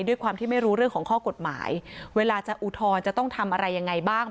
ด้วยความที่ไม่รู้เรื่องของข้อกฎหมายเวลาจะอุทธรณ์จะต้องทำอะไรยังไงบ้าง